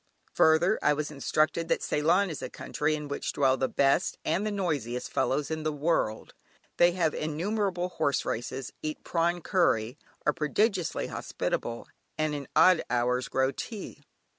Further, I was instructed that Ceylon is a country in which dwell the best (and the noisiest!) fellows in the world. They have innumerable horse races, eat prawn curry, are prodigiously hospitable, and in odd hours grow tea.